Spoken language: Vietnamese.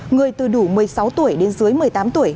người từ đủ một mươi sáu tuổi đến dưới một mươi tám tuổi